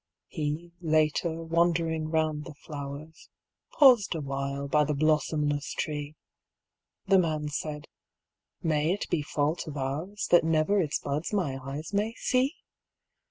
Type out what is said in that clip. He, later, wandering round the flowers Paused awhile by the blossomless tree. The man said " May it be fault of ours. That never its buds my eyes may see